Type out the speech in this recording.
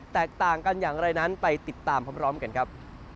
แตกต่างกันอย่างไรนั้นไปติดตามพร้อมกันครับ